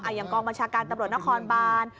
อย่างกองบัญชาการตำรวจนครบาน